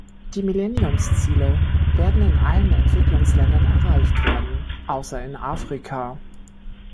Die Millenniumsziele werden in allen Entwicklungsländern erreicht werden außer in Afrika.